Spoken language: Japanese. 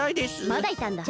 まだいたんだ。